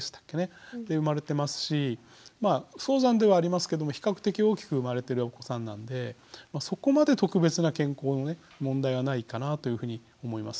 で生まれてますしまあ早産ではありますけども比較的大きく生まれてるお子さんなんでそこまで特別な健康の問題はないかなというふうに思います。